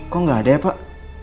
kok nggak ada ya pak